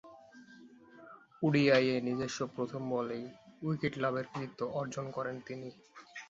ওডিআইয়ে নিজস্ব প্রথম বলেই উইকেট লাভের কৃতিত্ব প্রদর্শন করেন তিনি।